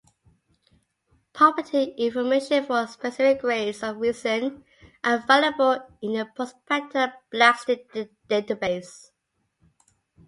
Property information for specific grades of resin are available in the Prospector Plastic Database.